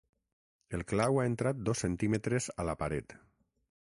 El clau ha entrat dos centímetres a la paret.